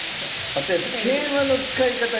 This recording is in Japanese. あとやっぱ桂馬の使い方が。